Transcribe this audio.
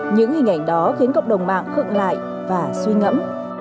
những hình ảnh đó khiến cộng đồng mạng khựng lại và suy ngẫm